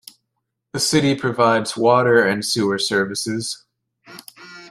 The city provides water and sewer services.